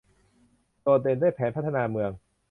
โดดเด่นด้วยแผนพัฒนาเมือง